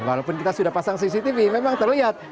walaupun kita sudah pasang cctv memang terlihat